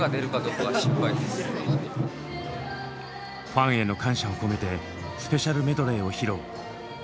ファンへの感謝を込めてスペシャルメドレーを披露。